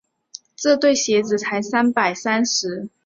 这对鞋子才三百三十。